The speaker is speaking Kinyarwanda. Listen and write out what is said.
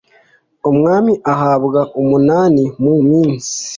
umwami ahabwa umunani mu nsi,